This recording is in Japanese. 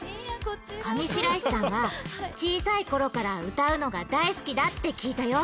上白石さんは、小さいころから歌うのが大好きだって聞いたよ。